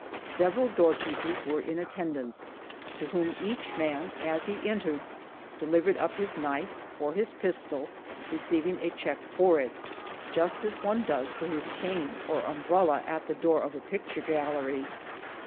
Several doorkeepers were in attendance, to whom each man as he entered delivered up his knife or his pistol, receiving a check for it, just as one does for his cane or umbrella at the door of a picture gallery.